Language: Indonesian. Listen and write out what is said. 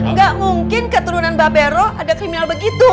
nggak mungkin keturunan mbak bero ada kriminal begitu